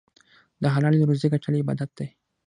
د حلالې روزۍ ګټل عبادت دی.